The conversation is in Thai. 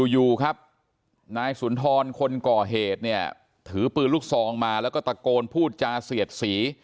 อยู่ครับนายสุนทรคนก่อเหตุเนี่ยถือปืนลูกซองมาแล้วก็ตะโกนพูดจาเสียดสี